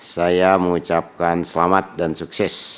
saya mengucapkan selamat dan sukses